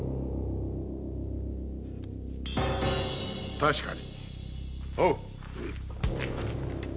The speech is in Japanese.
確かに。